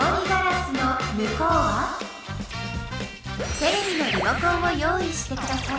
テレビのリモコンを用いしてください。